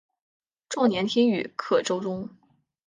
壮年听雨客舟中。